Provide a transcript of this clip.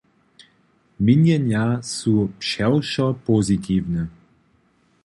Měnjenja su přewšo pozitiwne.